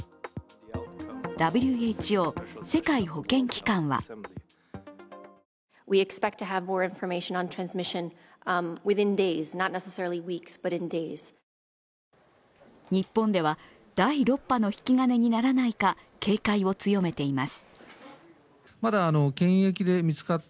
ＷＨＯ＝世界保健機関は日本では、第６波の引き金にならないか警戒を強めています。